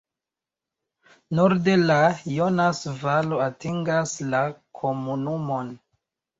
Norde la Jonas-valo atingas la komunumon.